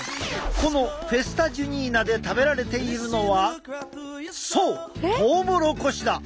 このフェスタ・ジュニーナで食べられているのはそうトウモロコシだ！